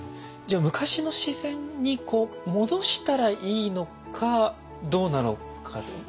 じゃあ昔の自然に戻したらいいのかどうなのかと。